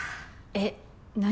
えっ何？